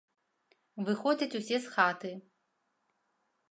Выходзяць усе з хаты.